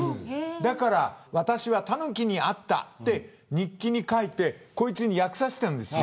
だから私はタヌキに会ったって日記に書いてこいつに訳させたんです。